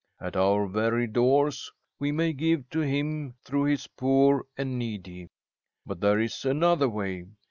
At our very doors we may give to Him, through His poor and needy. "But there is another way.